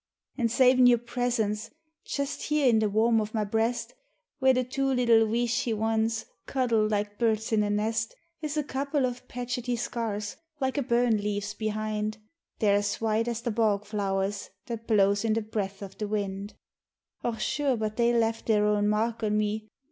An' savin' your presence, just here in the warm o' my breast, Where the two little weeshie wans cuddled like birds in a nest Is a couple o' patchety scars, like a burn leaves behind. They're as white as the bog flowers that blows in the breath o' the wind. Och, sure, but they left their own mark on me.